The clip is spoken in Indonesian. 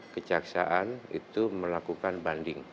kejaksaan itu melakukan banding